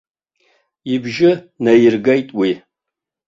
Ибжьы наиргеит уи.